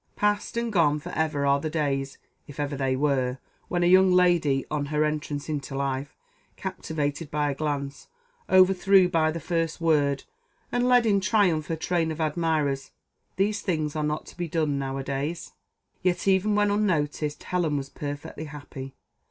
Past and gone for ever are the days, if ever they were, when a young lady, on her entrance into life, captivated by a glance, overthrew by the first word, and led in triumph her train of admirers. These things are not to be done now a days. Yet even when unnoticed Helen was perfectly happy.